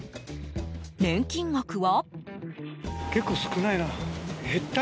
年金額は？